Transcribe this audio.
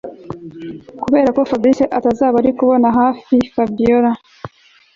kubera ko Fabric azaba atarikumubona hafi Fabiora